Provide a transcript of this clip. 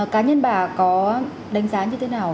cá nhân bà có đánh giá như thế nào